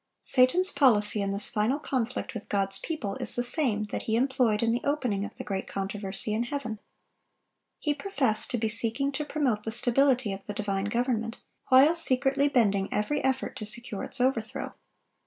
Satan's policy in this final conflict with God's people is the same that he employed in the opening of the great controversy in heaven. He professed to be seeking to promote the stability of the divine government, while secretly bending every effort to secure its overthrow.